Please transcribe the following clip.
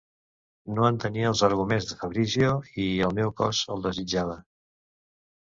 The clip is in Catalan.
No entenia els arguments del Fabrizio i el meu cos el desitjava.